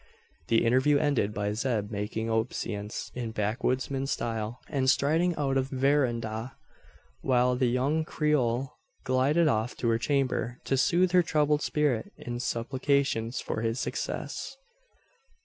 The interview ended by Zeb making obeisance in backwoodsman style, and striding out of the verandah; while the young Creole glided off to her chamber, to soothe her troubled spirit in supplications for his success.